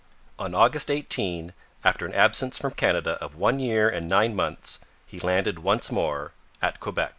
On August 18, after an absence from Canada of one year and nine months, he landed once more at Quebec.